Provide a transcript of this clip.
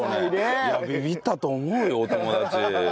いやビビったと思うよお友達。